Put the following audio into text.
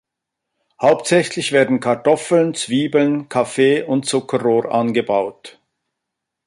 Hauptsächlich werden Kartoffeln, Zwiebeln, Kaffee und Zuckerrohr angebaut.